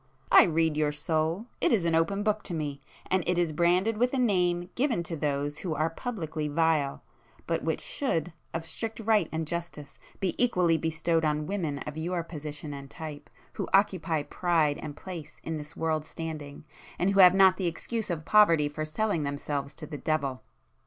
I read your soul—it is an open book to me—and it is branded with a name given to those who are publicly vile, but which should, of strict right and justice, be equally bestowed on women of your position and type, who occupy [p 362] pride and place in this world's standing, and who have not the excuse of poverty for selling themselves to the devil!"